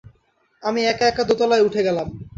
আমি একা-একা দোতলায় উঠে গেলাম।